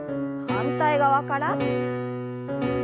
反対側から。